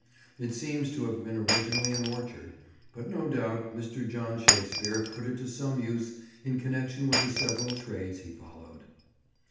It seems to have been originally an orchard, but no doubt Mr. John Shakespeare put it to some use in connection with the several trades he followed.